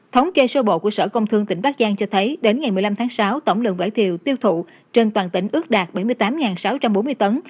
thống kê sơ bộ của sở công thương tỉnh bắc giang cho thấy đến ngày một mươi năm tháng sáu tổng lượng vải thiều tiêu thụ trên toàn tỉnh ước đạt bảy mươi tám sáu trăm bốn mươi tấn